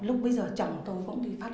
lúc bây giờ chồng tôi không sợ lắm